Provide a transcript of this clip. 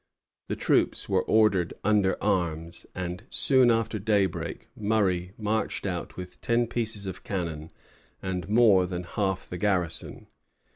The troops were ordered under arms; and soon after daybreak Murray marched out with ten pieces of cannon and more than half the garrison.